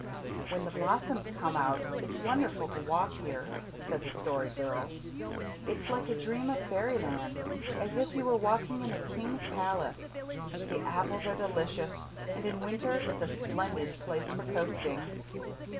"When the blossoms come out it's wonderful to walk here," said the Story Girl. "It's like a dream of fairyland as if you were walking in a king's palace. The apples are delicious, and in winter it's a splendid place for coasting."